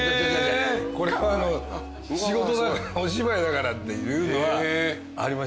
これはお芝居だからっていうのはありましたね。